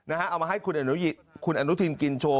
เอามาให้คุณอนุทินกินโชว